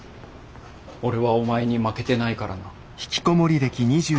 俺はお前に負けてないからな。